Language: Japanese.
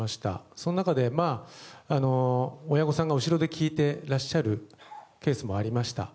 その中で、親御さんが後ろで聞いていらっしゃるケースもありました。